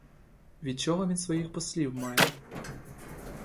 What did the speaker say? Від чого він своїх послів має?